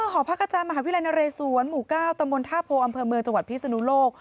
หอพักอาจารย์มหาวิทยาลัยนเรศวรหมู่๙ตำบลท่าโพอำเภอเมืองจังหวัดพิศนุโลก